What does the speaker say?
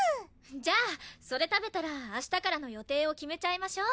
じゃあそれ食べたら明日からの予定を決めちゃいましょう。